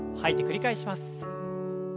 繰り返します。